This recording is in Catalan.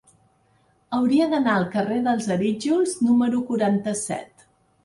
Hauria d'anar al carrer dels Arítjols número quaranta-set.